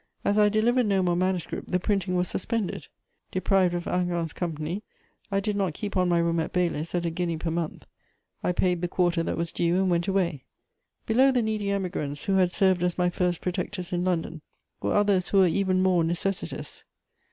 As I delivered no more manuscript, the printing was suspended. Deprived of Hingant's company, I did not keep on my room at Baylis' at a guinea per month; I paid the quarter that was due and went away. Below the needy Emigrants who had served as my first protectors in London were others who were even more necessitous.